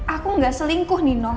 aku gak selingkuh nino